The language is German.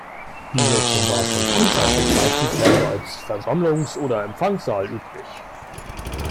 Die Nutzung war schon frühzeitig beispielsweise als Versammlungs- oder Empfangssaal üblich.